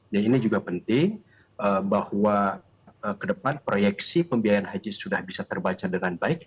nah ini juga penting bahwa kedepan proyeksi pembiayaan haji sudah bisa terbaca dengan kebenaran